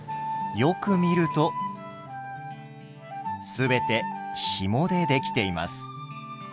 よく見ると全てひもで出来ています。